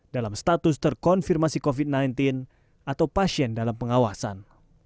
dalam status terkonfirmasi covid sembilan belas atau pasien dalam pengawasan